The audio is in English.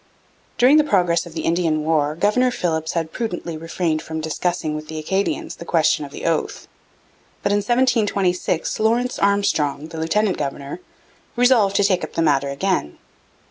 During the progress of the Indian war Governor Philipps had prudently refrained from discussing with the Acadians the question of the oath; but in 1726 Lawrence Armstrong, the lieutenant governor, resolved to take up the matter again.